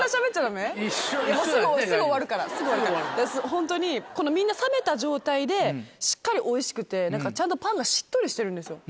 ホントにみんな冷めた状態でしっかりおいしくて何かちゃんとパンがしっとりしてるんですよ。